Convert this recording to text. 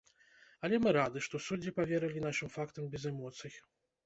Але мы рады, што суддзі паверылі нашым фактам без эмоцый.